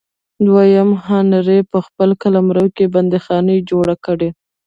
دویم هانري په خپل قلمرو کې بندیخانې جوړې کړې.